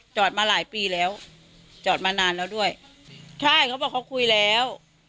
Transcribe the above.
มาหลายปีแล้วจอดมานานแล้วด้วยใช่เขาบอกเขาคุยแล้ว